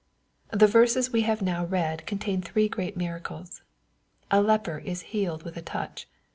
The verses we have now read contain three great miracles. A leper is healed with a touch.